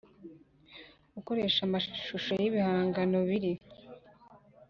gukoresha amashusho y ibihangano biri